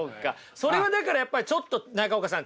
それはだからやっぱりちょっと中岡さん